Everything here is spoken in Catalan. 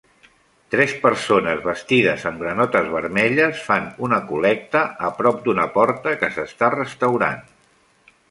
Tres persones vestides amb granotes vermelles fan una col·lecta a prop d'una porta que s'està restaurant